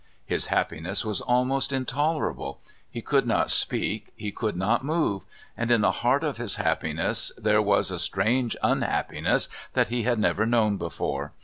His happiness was almost intolerable; he could not speak, he could not move, and in the heart of his happiness there was a strange unhappiness that he had never known before.